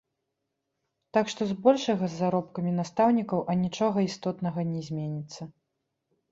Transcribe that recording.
Так што збольшага з заробкамі настаўнікаў анічога істотнага не зменіцца.